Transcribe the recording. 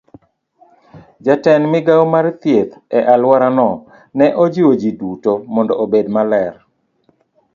Jatend migao mar thieth e alworano ne ojiwo ji duto mondo obed maler